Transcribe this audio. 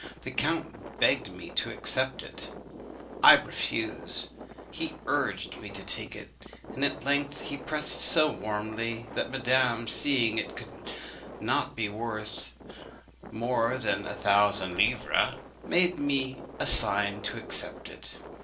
The count begged me to accept it; I refused. He urged me to take it. At length he pressed so warmly, that madame, seeing it could not be worth more than a thousand livres, made me a sign to accept it.